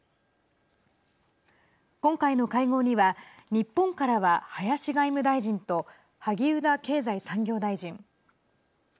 今回の会合には、日本からは林外務大臣と萩生田経済産業大臣。